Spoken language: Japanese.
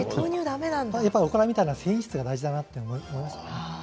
やっぱりおからみたいな繊維質が大事なんだなと思いました。